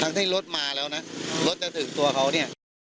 ที่รถมาแล้วนะรถจะถึงตัวเขาเนี่ย